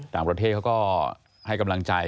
ต่างประเทศเขาก็ให้กำลังใจ